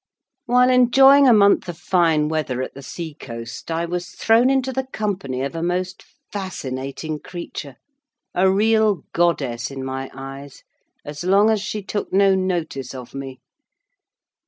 While enjoying a month of fine weather at the sea coast, I was thrown into the company of a most fascinating creature: a real goddess in my eyes, as long as she took no notice of me.